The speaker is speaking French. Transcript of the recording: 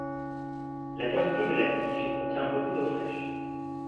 La cavité de la tige contient beaucoup d'eau fraiche.